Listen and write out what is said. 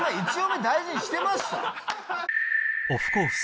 オフコース